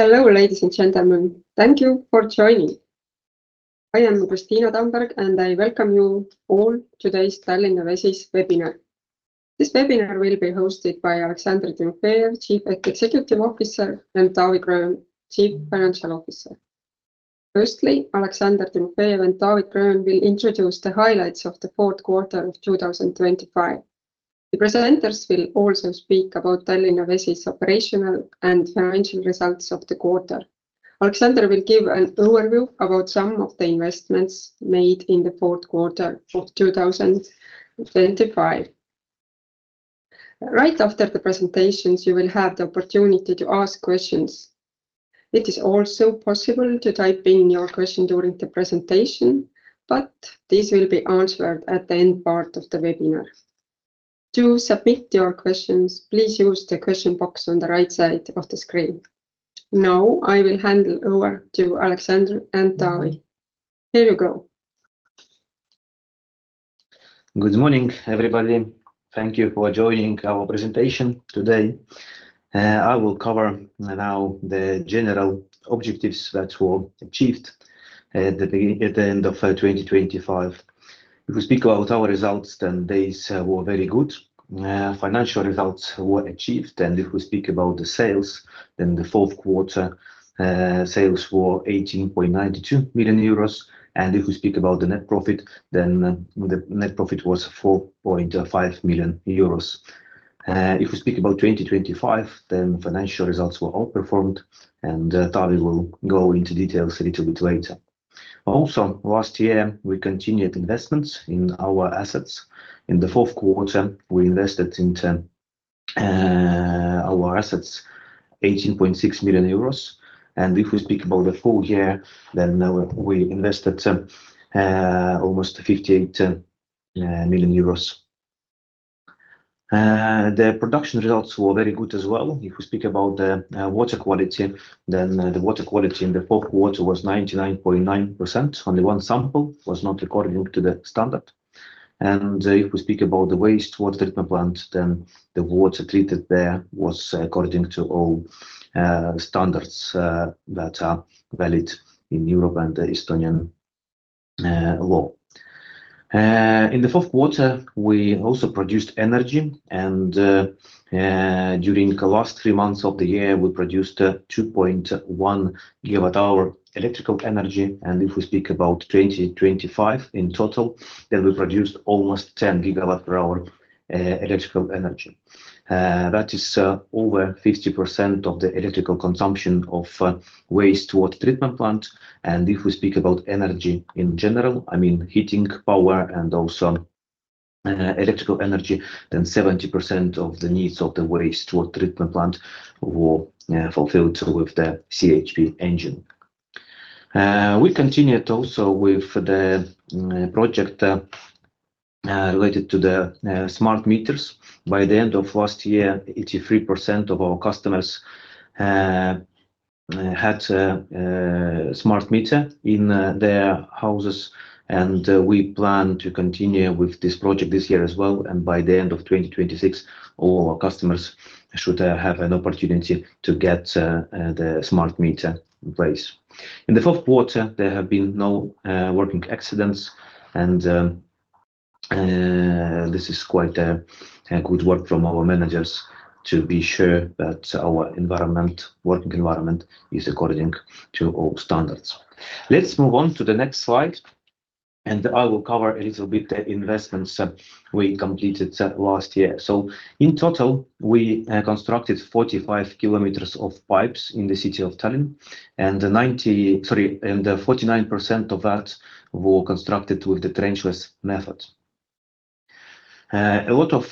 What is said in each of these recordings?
Hello, ladies and gentlemen, thank you for joining. I am Kristiina Tamberg, and I welcome you all to today's Tallinna Vesi's webinar. This webinar will be hosted by Aleksandr Timofejev, Chief Executive Officer, and Taavi Gröön, Chief Financial Officer. Firstly, Aleksandr Timofejev and Taavi Gröön will introduce the highlights of the fourth quarter of 2025. The presenters will also speak about Tallinna Vesi's operational and financial results of the quarter. Aleksandr will give an overview about some of the investments made in the fourth quarter of 2025. Right after the presentations, you will have the opportunity to ask questions. It is also possible to type in your question during the presentation, but these will be answered at the end part of the webinar. To submit your questions, please use the question box on the right side of the screen. Now I will hand over to Aleksandr and Taavi. Here you go. Good morning, everybody. Thank you for joining our presentation today. I will cover now the general objectives that were achieved, at the beginning at the end of 2025. If we speak about our results, then these were very good. Financial results were achieved, and if we speak about the sales, then the fourth quarter sales were 18.92 million euros. And if we speak about the net profit, then the net profit was 4.5 million euros. If we speak about 2025, then financial results were outperformed, and Taavi will go into details a little bit later. Also, last year we continued investments in our assets. In the fourth quarter, we invested into our assets 18.6 million euros. And if we speak about the full year, then we invested almost EUR 58 million. The production results were very good as well. If we speak about the water quality, then the water quality in the fourth quarter was 99.9% on the one sample was not according to the standard. If we speak about the wastewater treatment plant, then the water treated there was according to all standards that are valid in Europe and Estonian law. In the fourth quarter, we also produced energy and during the last three months of the year we produced 2.1 GWh electrical energy. If we speak about 2025 in total, then we produced almost 10 GWh electrical energy. That is over 50% of the electrical consumption of wastewater treatment plant. If we speak about energy in general, I mean heating power and also electrical energy, then 70% of the needs of the wastewater treatment plant were fulfilled with the CHP engine. We continued also with the project related to the smart meters. By the end of last year, 83% of our customers had a smart meter in their houses. We plan to continue with this project this year as well. By the end of 2026, all our customers should have an opportunity to get the smart meter in place. In the fourth quarter, there have been no working accidents. This is quite a good work from our managers to be sure that our environment, working environment, is according to all standards. Let's move on to the next slide, and I will cover a little bit the investments we completed last year. In total, we constructed 45 km of pipes in the city of Tallinn, and 90 sorry, and 49% of that were constructed with the trenchless method. A lot of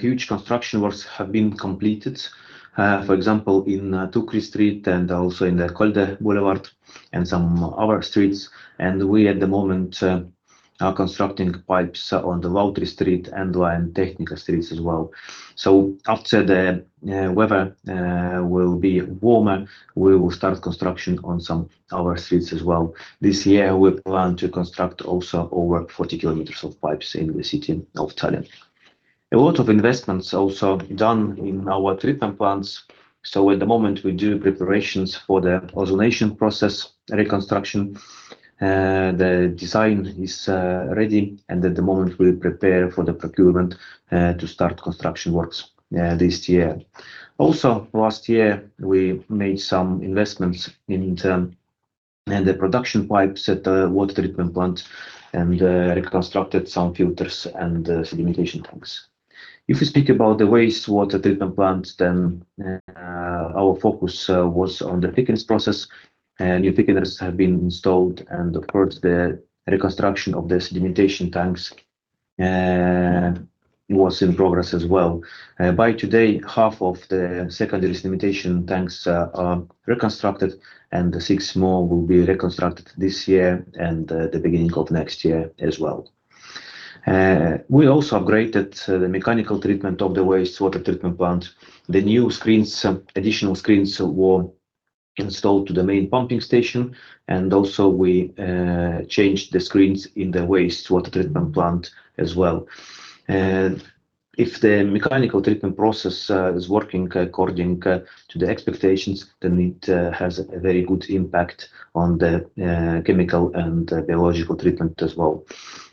huge construction works have been completed, for example, in Tuukri Street and also in the Kolde Avenue and some other streets. And we, at the moment, are constructing pipes on the Lauteri Street and Tehnika Street as well. So after the weather will be warmer, we will start construction on some other streets as well. This year we plan to construct also over 40 km of pipes in the city of Tallinn. A lot of investments also done in our treatment plants. So at the moment we do preparations for the ozonation process reconstruction. The design is ready, and at the moment we prepare for the procurement to start construction works this year. Also, last year we made some investments in the production pipes at the water treatment plant and reconstructed some filters and sedimentation tanks. If we speak about the wastewater treatment plant, then our focus was on the thickening process. New thickeners have been installed, and of course the reconstruction of the sedimentation tanks was in progress as well. By today, half of the secondary sedimentation tanks are reconstructed, and 6 more will be reconstructed this year and the beginning of next year as well. We also upgraded the mechanical treatment of the wastewater treatment plant. The new screens, additional screens were installed to the main pumping station, and also we changed the screens in the wastewater treatment plant as well. If the mechanical treatment process is working according to the expectations, then it has a very good impact on the chemical and biological treatment as well.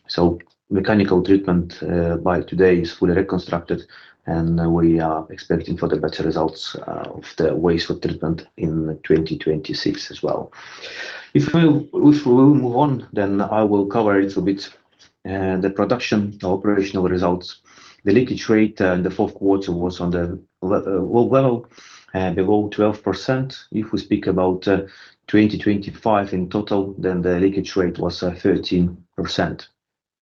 So mechanical treatment by today is fully reconstructed, and we are expecting for the better results of the wastewater treatment in 2026 as well. If we will move on, then I will cover a little bit the production operational results. The leakage rate in the fourth quarter was on the lower level, below 12%. If we speak about 2025 in total, then the leakage rate was 13%.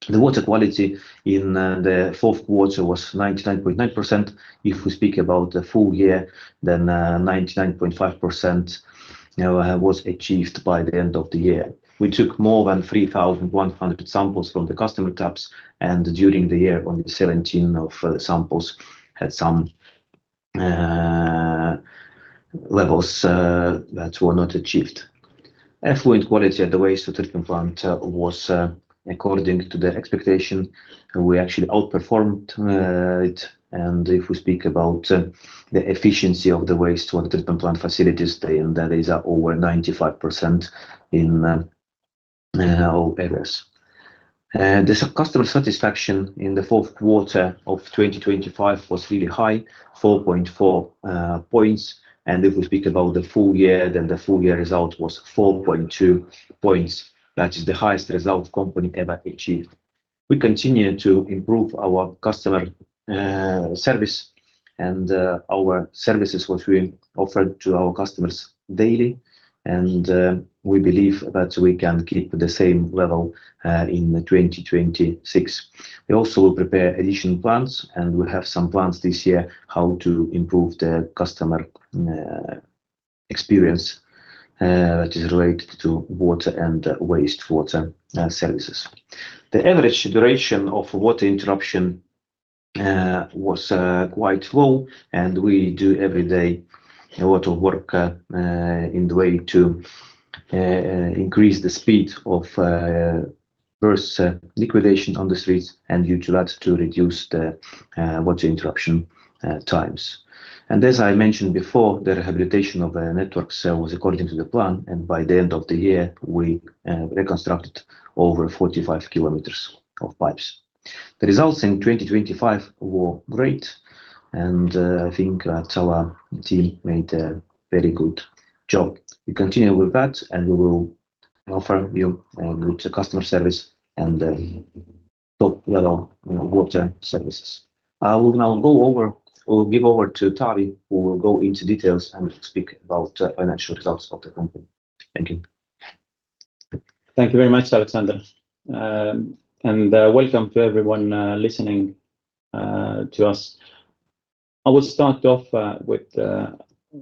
The water quality in the fourth quarter was 99.9%. If we speak about the full year, then 99.5% was achieved by the end of the year. We took more than 3,100 samples from the customer taps, and during the year only 17 of the samples had some levels that were not achieved. Effluent quality at the wastewater treatment plant was according to the expectation. We actually outperformed it. And if we speak about the efficiency of the wastewater treatment plant facilities, then these are over 95% in all areas. The customer satisfaction in the fourth quarter of 2025 was really high, 4.4 points. If we speak about the full year, then the full year result was 4.2 points. That is the highest result company ever achieved. We continue to improve our customer service and our services which we offer to our customers daily. We believe that we can keep the same level in 2026. We also will prepare additional plans, and we have some plans this year how to improve the customer experience that is related to water and wastewater services. The average duration of water interruption was quite low, and we do every day a lot of work in the way to increase the speed of burst liquidation on the streets and due to that to reduce the water interruption times. As I mentioned before, the rehabilitation of the networks was according to the plan, and by the end of the year we reconstructed over 45 km of pipes. The results in 2025 were great, and I think our team made a very good job. We continue with that, and we will offer you a good customer service and top-level water services. I will now go over or give over to Taavi, who will go into details and speak about financial results of the company. Thank you. Thank you very much, Aleksandr. Welcome to everyone listening to us. I will start off with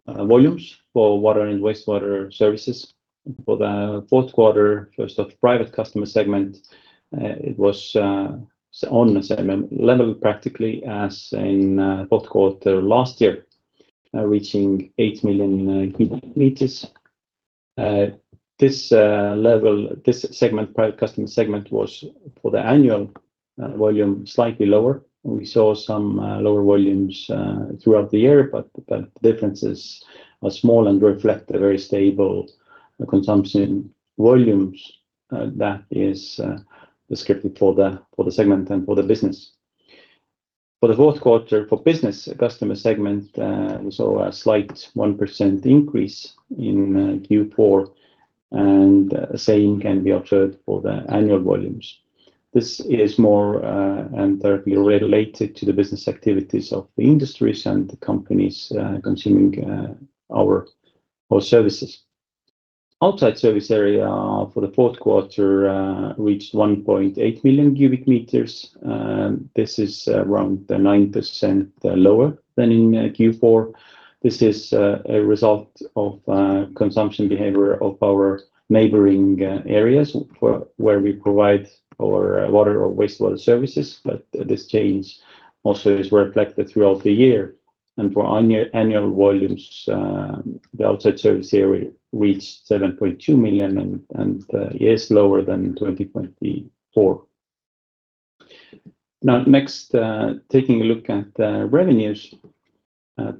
volumes for water and wastewater services. For the fourth quarter, first of private customer segment, it was on the same level practically as in fourth quarter last year, reaching 8 million cubic meters. This level, this segment, the private customer segment was for the annual volume slightly lower. We saw some lower volumes throughout the year, but the differences are small and reflect a very stable consumption volumes that is descriptive for the segment and for the business. For the fourth quarter, for business customer segment, we saw a slight 1% increase in Q4, and the same can be observed for the annual volumes. This is more and directly related to the business activities of the industries and the companies consuming our services. Outside service area for the fourth quarter reached 1.8 million cubic meters. This is around 9% lower than in Q4. This is a result of consumption behavior of our neighboring areas where we provide our water or wastewater services. But this change also is reflected throughout the year. And for annual volumes, the outside service area reached 7.2 million and is lower than 2024. Now, next, taking a look at revenues,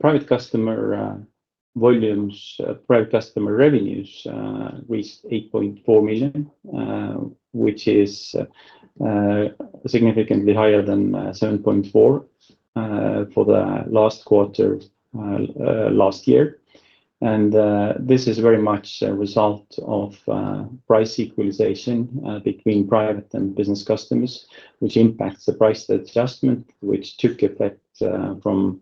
private customer volumes, private customer revenues reached 8.4 million, which is significantly higher than 7.4 for the last quarter last year. And this is very much a result of price equalization between private and business customers, which impacts the price adjustment, which took effect from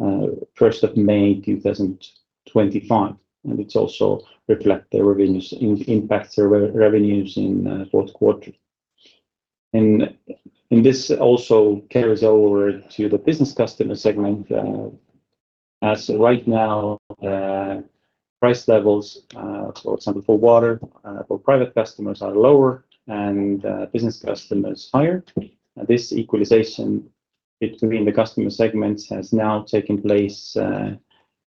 1st of May 2025. And it's also reflected revenues in impacts revenues in fourth quarter. And this also carries over to the business customer segment. As right now, price levels, for example, for water for private customers are lower and business customers higher. This equalization between the customer segments has now taken place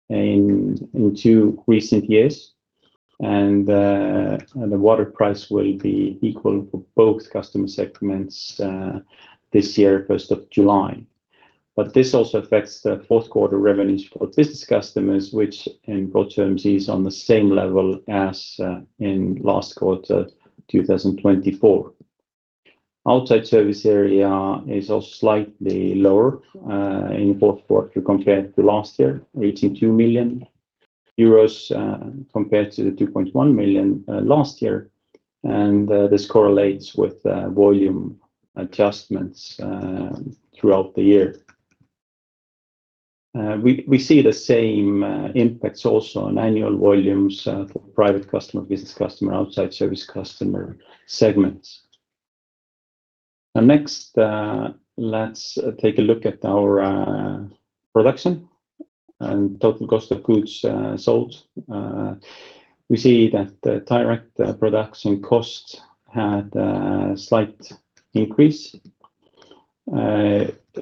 in two recent years. The water price will be equal for both customer segments this year, 1st of July. But this also affects the fourth quarter revenues for business customers, which in broad terms is on the same level as in last quarter 2024. Outside service area is also slightly lower in the fourth quarter compared to last year, reaching 2 million euros compared to the 2.1 million last year. This correlates with volume adjustments throughout the year. We see the same impacts also on annual volumes for private customer, business customer, outside service customer segments. Now, next, let's take a look at our production and total cost of goods sold. We see that direct production costs had a slight increase,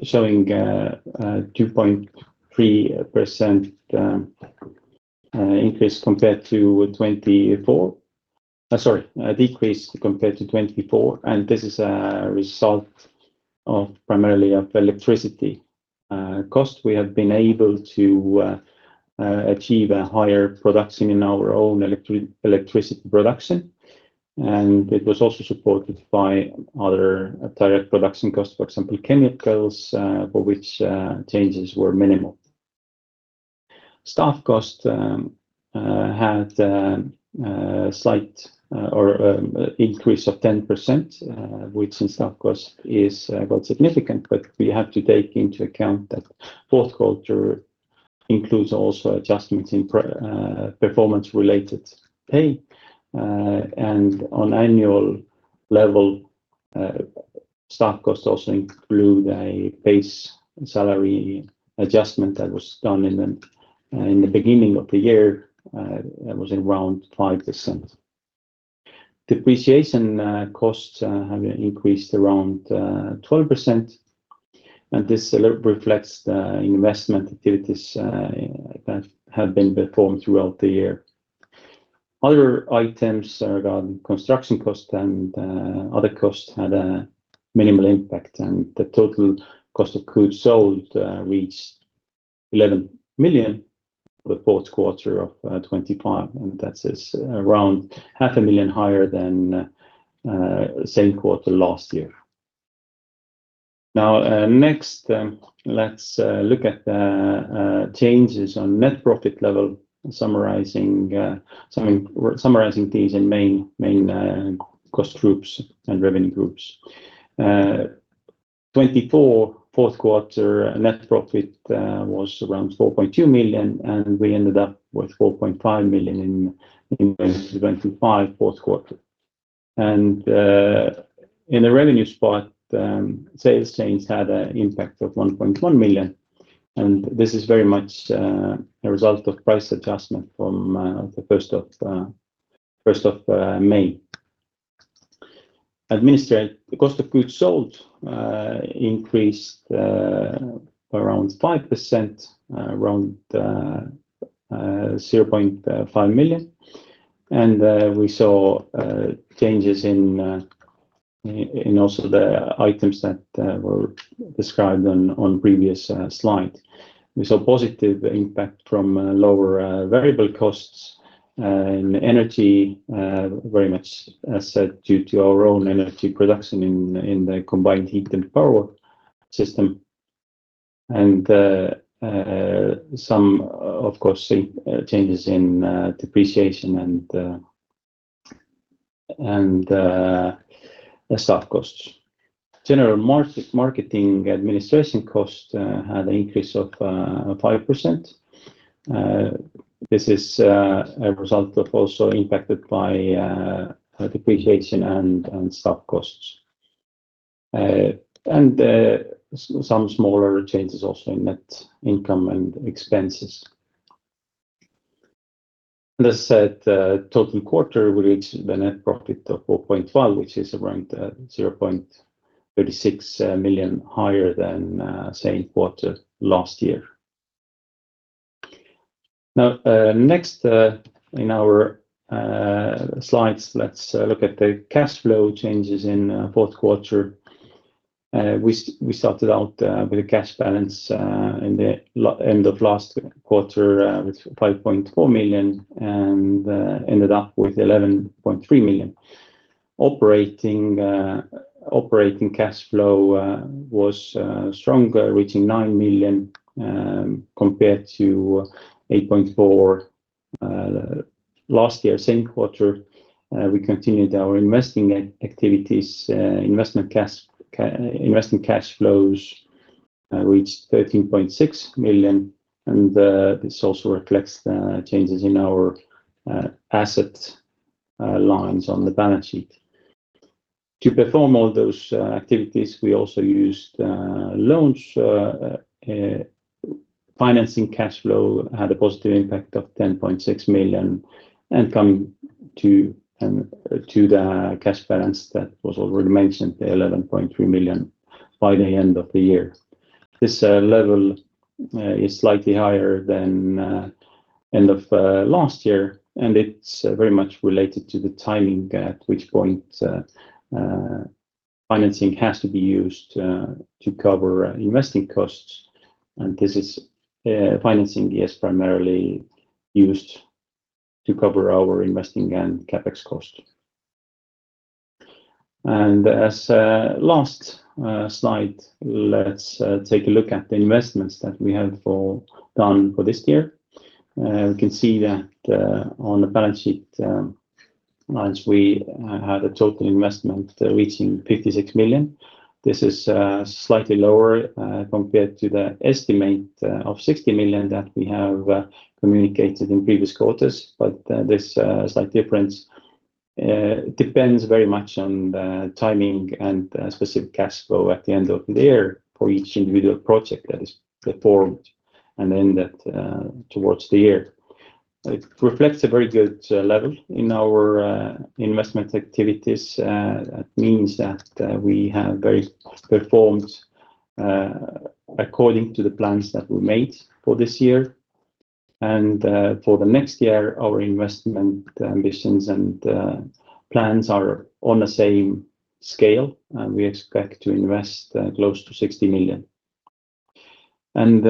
showing a 2.3% increase compared to 2024. Sorry, a decrease compared to 2024. And this is a result primarily of electricity cost. We have been able to achieve a higher production in our own electricity production. And it was also supported by other direct production costs, for example, chemicals, for which changes were minimal. Staff cost had a slight increase of 10%, which in staff cost is quite significant. But we have to take into account that fourth quarter includes also adjustments in performance-related pay. And on annual level, staff costs also include a base salary adjustment that was done in the beginning of the year. That was around 5%. Depreciation costs have increased around 12%. And this reflects the investment activities that have been performed throughout the year. Other items regarding construction costs and other costs had a minimal impact. The total cost of goods sold reached 11 million for the fourth quarter of 2025. That is around 0.5 million higher than same quarter last year. Now, next, let's look at the changes on net profit level, summarizing these in main cost groups and revenue groups. 2024 fourth quarter net profit was around 4.2 million, and we ended up with 4.5 million in 2025 fourth quarter. In the revenue spot, sales change had an impact of 1.1 million. This is very much a result of price adjustment from the 1st of May. The cost of goods sold increased around 5%, around 0.5 million. We saw changes in also the items that were described on previous slides. We saw positive impact from lower variable costs in energy, very much as said, due to our own energy production in the combined heat and power system. Some, of course, changes in depreciation and staff costs. General marketing administration cost had an increase of 5%. This is a result of also impacted by depreciation and staff costs. Some smaller changes also in net income and expenses. That said, total quarter we reached the net profit of 4.1 million, which is around 0.36 million higher than same quarter last year. Now, next, in our slides, let's look at the cash flow changes in fourth quarter. We started out with a cash balance in the end of last quarter with 5.4 million and ended up with 11.3 million. Operating cash flow was stronger, reaching 9 million compared to 8.4 million last year, same quarter. We continued our investing activities. Investment cash flows reached 13.6 million. This also reflects the changes in our asset lines on the balance sheet. To perform all those activities, we also used loans. Financing cash flow had a positive impact of 10.6 million and come to the cash balance that was already mentioned, the 11.3 million, by the end of the year. This level is slightly higher than end of last year, and it's very much related to the timing at which point financing has to be used to cover investing costs. This is financing is primarily used to cover our investing and CapEx costs. As last slide, let's take a look at the investments that we have done for this year. We can see that on the balance sheet lines, we had a total investment reaching 56 million. This is slightly lower compared to the estimate of 60 million that we have communicated in previous quarters. But this slight difference depends very much on the timing and specific cash flow at the end of the year for each individual project that is performed and ended towards the year. It reflects a very good level in our investment activities. That means that we have very performed according to the plans that we made for this year. And for the next year, our investment ambitions and plans are on the same scale. And we expect to invest close to 60 million. And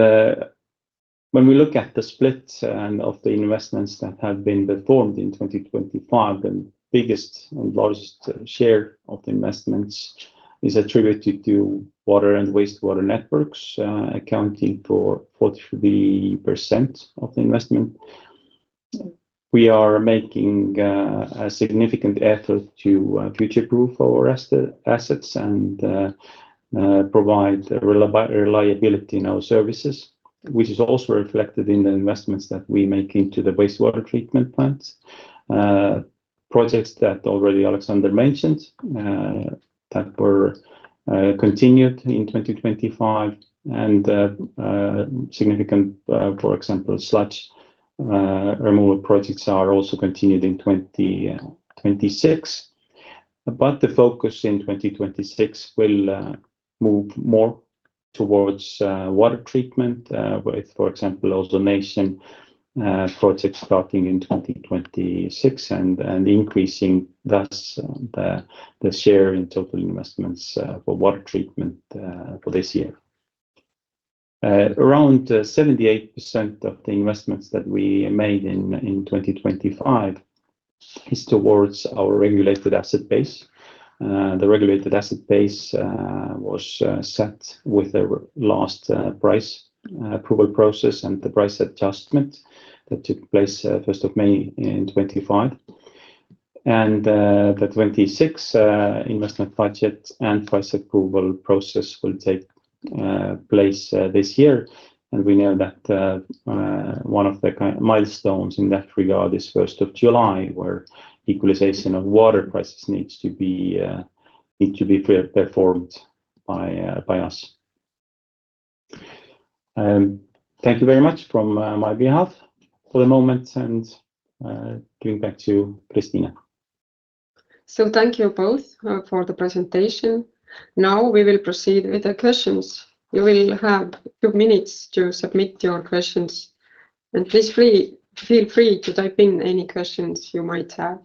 when we look at the split of the investments that have been performed in 2025, the biggest and largest share of the investments is attributed to water and wastewater networks, accounting for 43% of the investment. We are making a significant effort to future-proof our assets and provide reliability in our services, which is also reflected in the investments that we make into the wastewater treatment plants, projects that already Aleksandr mentioned that were continued in 2025. Significant, for example, sludge removal projects are also continued in 2026. But the focus in 2026 will move more towards water treatment with, for example, also ozonation projects starting in 2026 and increasing thus the share in total investments for water treatment for this year. Around 78% of the investments that we made in 2025 is towards our regulated asset base. The regulated asset base was set with the last price approval process and the price adjustment that took place 1st of May in 2025. The 2026 investment budget and price approval process will take place this year. We know that one of the milestones in that regard is 1st of July, where equalization of water prices needs to be performed by us. Thank you very much from my behalf for the moment and giving back to Kristiina. So thank you both for the presentation. Now we will proceed with the questions. You will have a few minutes to submit your questions. Please feel free to type in any questions you might have.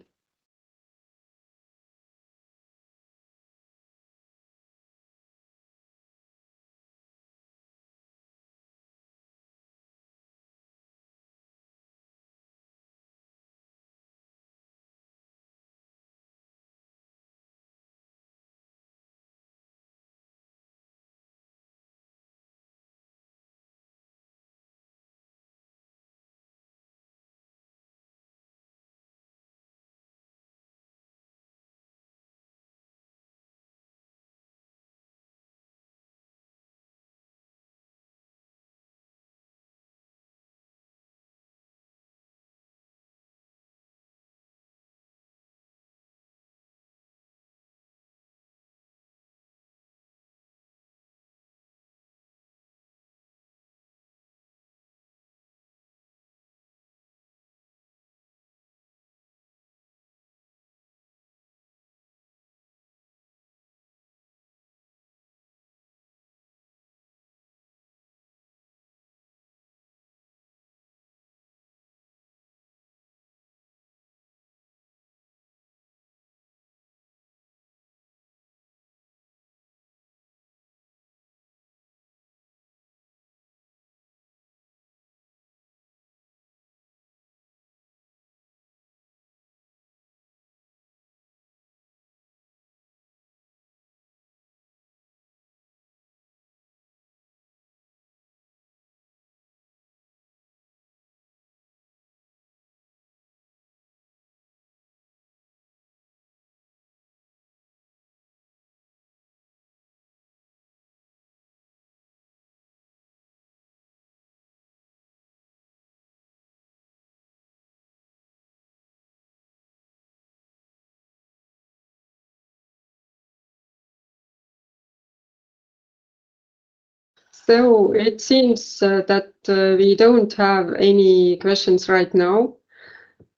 So it seems that we don't have any questions right now.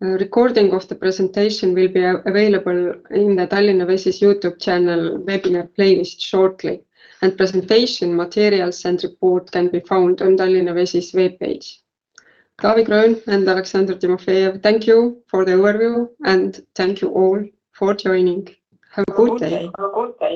Recording of the presentation will be available in the Tallinna Vesi's YouTube channel webinar playlist shortly. Presentation materials and report can be found on Tallinna Vesi's web page. Taavi Gröön and Aleksandr Timofejev, thank you for the overview, and thank you all for joining. Have a good day. Good day. Have a good day.